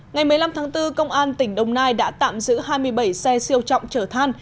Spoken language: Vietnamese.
ngày một mươi năm tháng bốn công an tỉnh đồng nai đã tạm giữ hai mươi bảy xe siêu trọng chở than